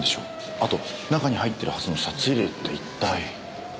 あと中に入ってるはずの札入れって一体。